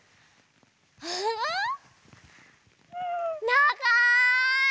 ながい！